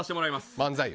漫才を？